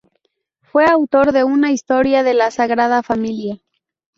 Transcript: Fue autor de una "Historia de la Sagrada Familia".